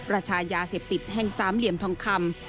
ราชายาเสพติดแห่งสามเหลี่ยมทองคำ